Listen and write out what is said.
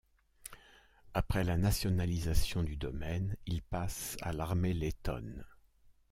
Après la nationalisation du domaine, il passe à l'armée lettone.